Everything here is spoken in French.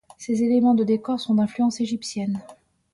Ces éléments de décor sont d'influence égyptienne.